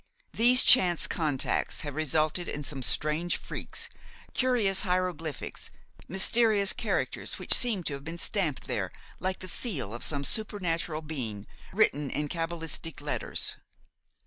These chance contacts have resulted in some strange freaks, curious hieroglyphics, mysterious characters which seem to have been stamped there like the seal of some supernatural being, written in cabalistic letters.